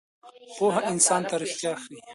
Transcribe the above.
پوهه انسان ته ریښتیا ښیي.